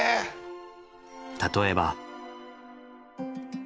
例えば。